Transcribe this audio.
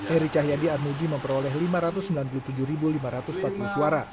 eri cahyadi armuji memperoleh lima ratus sembilan puluh tujuh lima ratus empat puluh suara